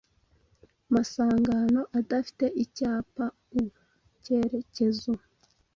masangano adafite icyapa U-cyerekezo.